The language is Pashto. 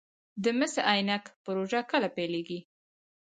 د مس عینک پروژه کله پیلیږي؟